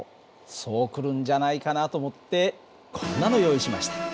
そう来るんじゃないかなと思ってこんなの用意しました。